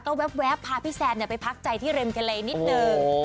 ก็แว๊บพาพี่แซนไปพักใจที่ริมทะเลนิดนึง